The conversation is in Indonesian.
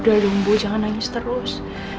udah dong bu jangan nangis terus